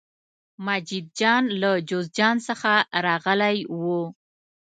مجید جان له جوزجان څخه راغلی و.